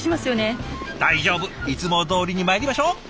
大丈夫。いつもどおりにまいりましょう。